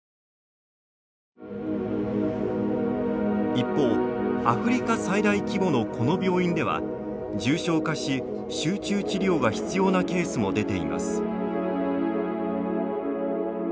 一方、アフリカ最大規模のこの病院では重症化し、集中治療が必要なケースも出ています。